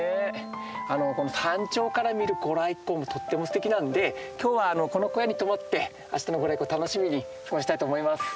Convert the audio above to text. あの山頂から見るご来光もとってもすてきなんで今日はこの小屋に泊まって明日のご来光楽しみに過ごしたいと思います。